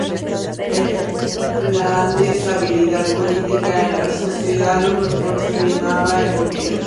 El plan de estabilidad política en la sociedad lo proporcionaba el gobierno.